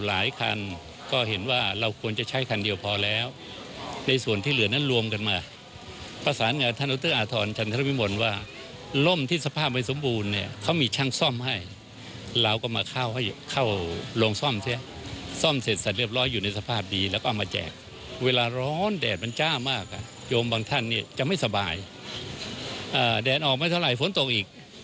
อ่าแดนออกไว้เท่าไรฝนตกอีก